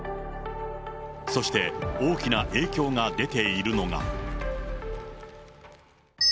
そして、大きな影響が出ているのが。